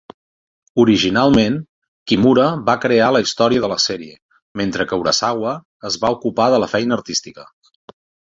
Originalment, Kimura va crear la història de la sèrie, mentre que Urasawa es va ocupar de la feina artística.